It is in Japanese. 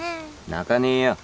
泣かねえよ。